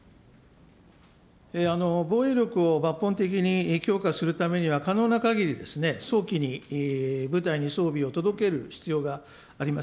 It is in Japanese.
防衛力を抜本的に強化するためには、可能なかぎり、早期に部隊に装備を届ける必要があります。